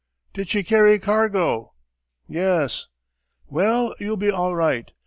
"Did she carry cargo?" "Yes." "Well, you'll be all right.